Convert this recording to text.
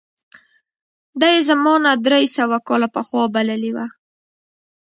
ده یې زمانه درې سوه کاله پخوا بللې وه.